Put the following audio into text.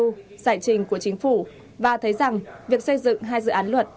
thu giải trình của chính phủ và thấy rằng việc xây dựng hai dự án luật